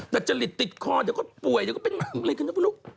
แต่จริตติดคอเดี๋ยวก็ป่วยเดี๋ยวก็เป็นอะไรกันนะคุณลูก